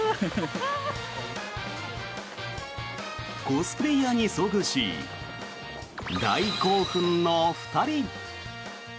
コスプレーヤーに遭遇し大興奮の２人。